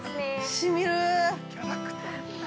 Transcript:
◆しみる。